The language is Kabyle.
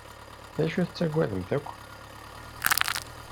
D acu i tettagademt akk?